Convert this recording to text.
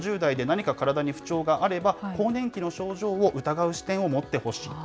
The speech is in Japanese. ４０代、５０代で何か体に不調があれば、更年期の症状を疑う視点を持ってほしい。